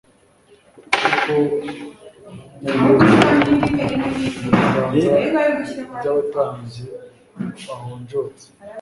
kuko uyo turo mu biganza by'abatambyi bahonjotse